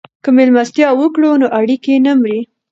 که مېلمستیا وکړو نو اړیکې نه مري.